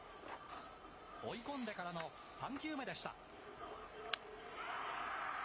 追い込んでからの３球目でした。